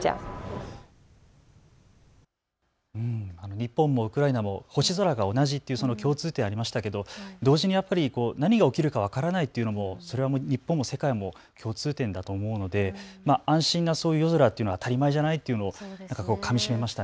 日本もウクライナも星空が同じっていう共通点、ありましたけど同時に何が起きるか分からないというのもそれは日本も世界も共通点だと思うので安心な夜空っていうのは当たり前じゃないというのをかみしめました。